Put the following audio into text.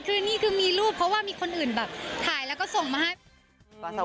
คือนี่คือมีรูปเพราะว่ามีคนอื่นแบบถ่ายแล้วก็ส่งมาให้